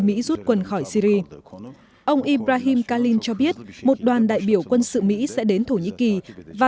mỹ rút quân khỏi syri ông ibrahim kalin cho biết một đoàn đại biểu quân sự mỹ sẽ đến thổ nhĩ kỳ và